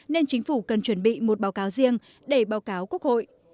nên chính phủ cần chuẩn bị một báo cáo riêng để báo cáo quốc hội